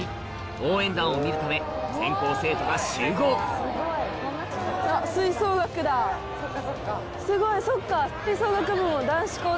応援団を見るため全校生徒が集合そっか。